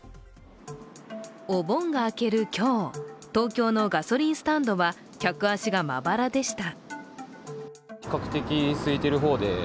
お盆が明ける今日、東京のガソリンスタンドは客足がまばらでした